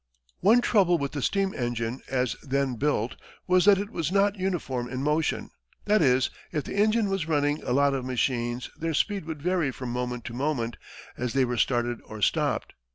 One trouble with the steam engine as then built was that it was not uniform in motion. That is, if the engine was running a lot of machines their speed would vary from moment to moment, as they were started or stopped.